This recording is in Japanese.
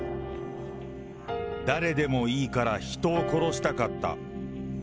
誰でもいいから人を殺したかった。